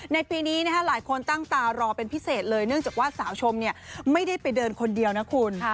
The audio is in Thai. ในปีนี้หลายคนตั้งตารอเป็นพิเศษเลยเนื่องจากว่าสาวชมไม่ได้ไปเดินคนเดียวนะคุณ